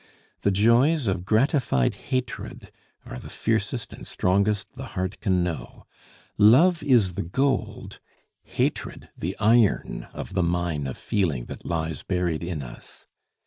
The joys of gratified hatred are the fiercest and strongest the heart can know. Love is the gold, hatred the iron of the mine of feeling that lies buried in us.